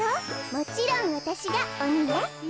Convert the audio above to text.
もちろんわたしがおにね。